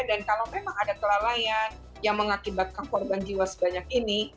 dan kalau memang ada kelalaian yang mengakibatkan korban jiwa sebanyak ini